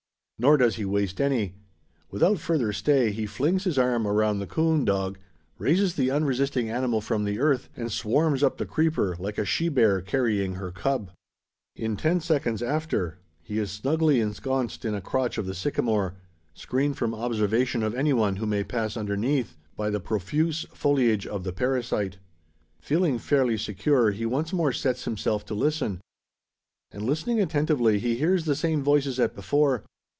Nor does he waste any. Without further stay, he flings his arm around the coon dog: raises the unresisting animal from the earth; and "swarms" up the creeper, like a she bear carrying her cub. In ten seconds after, he is snugly ensconced in a crotch of the sycamore; screened from observation of any one who may pass underneath, by the profuse foliage of the parasite. Feeling fairly secure, he once more sets himself to listen. And, listening attentively, he hears the same voices as before.